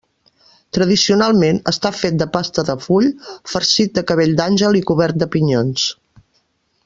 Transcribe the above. Tradicionalment, està fet de pasta de full, farcit de cabell d'àngel i cobert de pinyons.